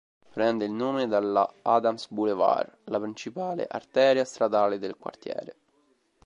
Prende il nome dalla "Adams Boulevard" la principale arteria stradale del quartiere.